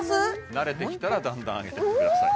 慣れてきたらだんだん上げていってください